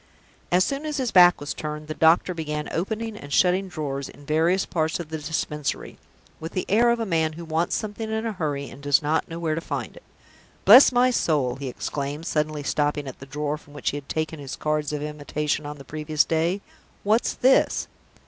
As soon as his back was turned, the doctor began opening and shutting drawers in various parts of the Dispensary, with the air of a man who wants something in a hurry, and does not know where to find it. "Bless my soul!" he exclaimed, suddenly stopping at the drawer from which he had taken his cards of invitation on the previous day, "what's this?